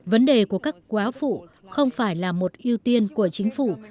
vấn đề của các quá phụ không phải là một ưu tiên của chính phủ